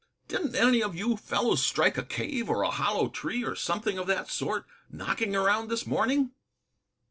"Didn't any of you fellows strike a cave, or a hollow tree, or something of that sort, knocking around this morning?"